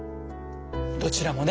どちらもね